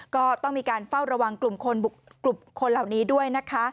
ก็ต้องมีการเฝ้าระวังกลุ่มคนเหล่านี้ด้วยนะคะ